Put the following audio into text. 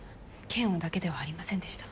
「嫌悪」だけではありませんでした。